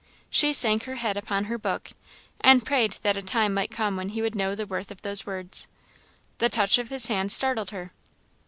She sank her head upon her book, and prayed that a time might come when he would know the worth of those words. The touch of his hand startled her.